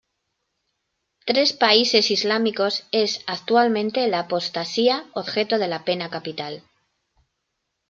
Tres países islámicos es actualmente la apostasía objeto de la pena capital.